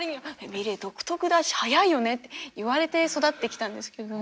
「ｍｉｌｅｔ独特だし早いよね」って言われて育ってきたんですけどね。